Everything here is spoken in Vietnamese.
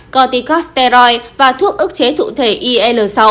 corticosteroid và thuốc ức chế thụ thể il sáu